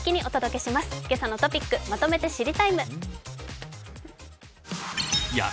「けさのトピックまとめて知りＴＩＭＥ，」。